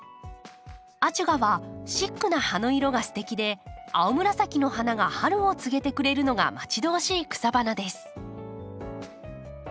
「アジュガ」はシックな葉の色がすてきで青紫の花が春を告げてくれるのが待ち遠しい草花です。